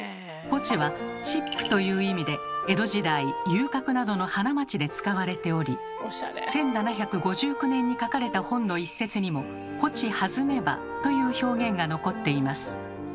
「ぽち」は「チップ」という意味で江戸時代遊郭などの花街で使われており１７５９年に書かれた本の一節にも「ぽちはずめば」という表現が残っています。